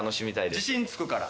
自信つくから。